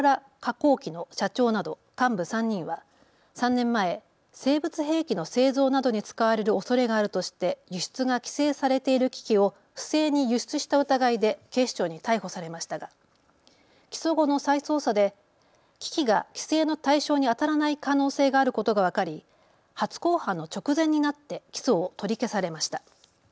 工機の社長など幹部３人は３年前、生物兵器の製造などに使われるおそれがあるとして輸出が規制されている機器を不正に輸出した疑いで警視庁に逮捕されましたが起訴後の再捜査で機器が規制の対象にあたらない可能性があることが分かり初公判の直前になって起訴を取り消されました。